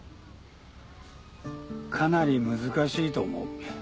かなり難しいと思う。